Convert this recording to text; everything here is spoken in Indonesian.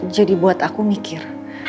jadi buat aku mikir